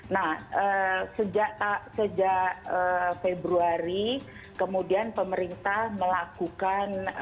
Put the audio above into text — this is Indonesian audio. nah sejak februari kemudian pemerintah melakukan